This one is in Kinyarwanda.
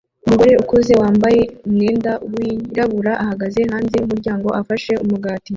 Umugore ukuze wambaye umwenda wirabura ahagaze hanze yumuryango ufashe umugati